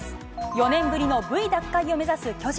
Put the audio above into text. ４年ぶりのＶ奪回を目指す巨人。